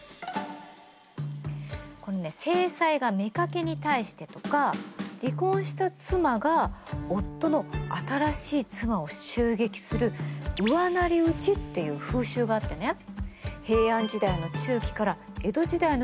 このね正妻が妾に対してとか離婚した妻が夫の新しい妻を襲撃する後妻打ちっていう風習があってね平安時代の中期から江戸時代の初期にかけて行われてたの。